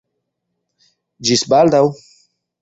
Ĝis baldaŭ.